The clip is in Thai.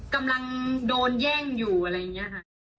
กำลังโดนแย่งอยู่อะไรอย่างนี้ค่ะ